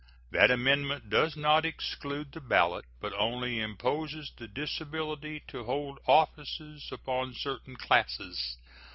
That amendment does not exclude the ballot, but only imposes the disability to hold offices upon certain classes.